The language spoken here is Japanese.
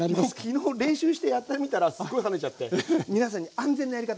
昨日練習してやってみたらすごい跳ねちゃって皆さんに安全なやり方